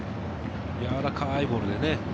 柔らかいボールでね。